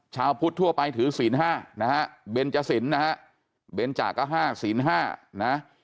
ชาวพุทธทั่วไปถือศีล๕นะฮะเบนจสินนะฮะเบนจากก็๕ศีล๕นะ